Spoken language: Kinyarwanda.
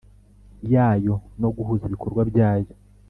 yayo no guhuza ibikorwa byayo